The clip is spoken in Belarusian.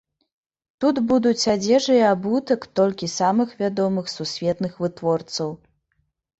Тут будуць адзежа і абутак толькі самых вядомых сусветных вытворцаў.